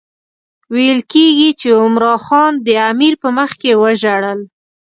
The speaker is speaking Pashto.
ویل کېږي چې عمرا خان د امیر په مخکې وژړل.